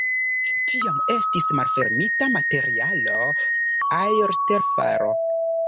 Tiam estis malfermita materialo-aertelfero.